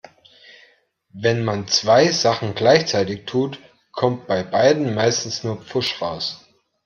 Wenn man zwei Sachen gleichzeitig tut, kommt bei beidem meistens nur Pfusch raus.